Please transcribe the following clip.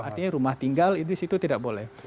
artinya rumah tinggal di situ tidak boleh